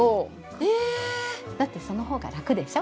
えっ⁉だってその方が楽でしょ？